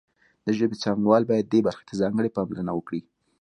د ژبې څانګوال باید دې برخې ته ځانګړې پاملرنه وکړي